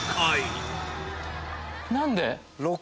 何で？